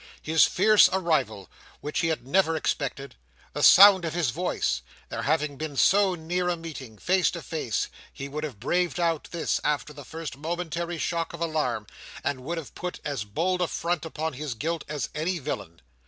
His fierce arrival, which he had never expected; the sound of his voice; their having been so near a meeting, face to face; he would have braved out this, after the first momentary shock of alarm, and would have put as bold a front upon his guilt as any villain.